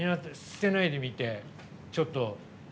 捨てないでみて、ちょっと。